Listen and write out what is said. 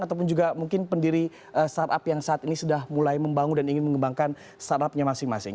ataupun juga mungkin pendiri startup yang saat ini sudah mulai membangun dan ingin mengembangkan startupnya masing masing